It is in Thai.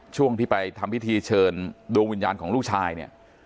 ช่วงที่ไปทำพิธีเชิญดวงวิญญาณของลูกชายเนี่ย